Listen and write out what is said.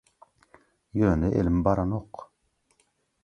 Ýöne elim baranok.